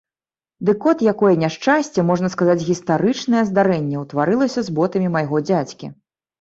Дык от якое няшчасце, можна сказаць, гістарычнае здарэнне ўтварылася з ботамі майго дзядзькі.